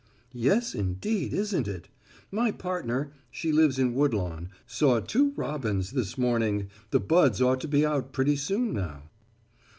"Yes indeed, isn't it? My partner she lives in Woodlawn saw two robins this morning. The buds ought to be out pretty soon now."